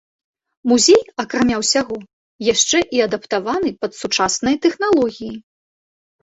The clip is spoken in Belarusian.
Музей, акрамя ўсяго, яшчэ і адаптаваны пад сучасныя тэхналогіі.